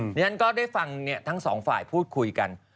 ฉะนั้นก็ได้ฟังเนี่ยทั้งสองฝ่ายพูดคุยกัน